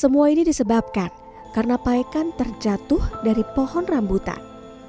semua ini disebabkan karena paekan terjatuh dari pohon rambutan